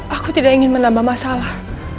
aku tidak ingin menambah masalah